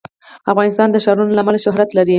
افغانستان د ښارونه له امله شهرت لري.